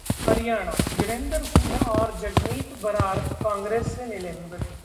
हरियाणाः बिरेंदर सिंह और जगमीत बरार कांग्रेस से निलंबित